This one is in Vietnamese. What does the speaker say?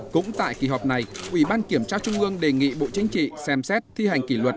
cũng tại kỳ họp này ủy ban kiểm tra trung ương đề nghị bộ chính trị xem xét thi hành kỷ luật